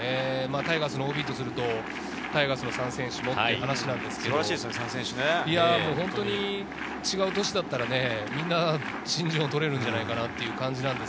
タイガースのＯＢとするとタイガースの３選手もという話ですが、違う年だったら、みんな新人王が取れるんじゃないかなという感じです。